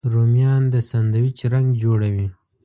رومیان د ساندویچ رنګ جوړوي